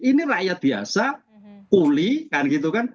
ini rakyat biasa pulih kan gitu kan